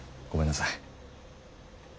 ごめんなさい。